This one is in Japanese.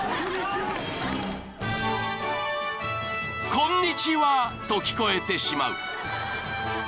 ［「こんにちは」と聞こえてしまう］